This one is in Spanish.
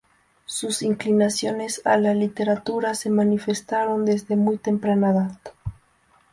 Sus inclinaciones a la literatura se manifestaron desde muy temprana edad.